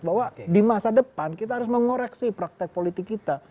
bahwa di masa depan kita harus mengoreksi praktek politik kita